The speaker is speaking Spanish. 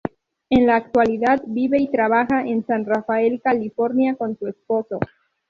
En la actualidad vive y trabaja en San Rafael, California con su esposo.